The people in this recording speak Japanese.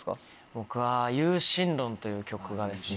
僕は。という曲がですね。